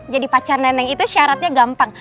jadi pacar neneng itu syaratnya gampang